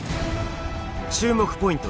注目ポイント